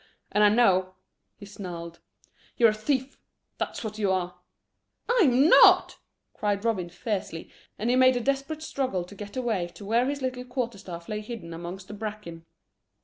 And I know," he snarled, "you're a thief; that's what you are." "I'm not," cried Robin fiercely, and he made a desperate struggle to get away to where his little quarter staff lay half hidden amongst the bracken.